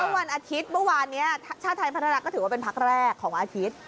วันอาทิตย์เมื่อวานนี้ชาติไทยพัฒนาก็ถือว่าเป็นพักแรกของอาทิตย์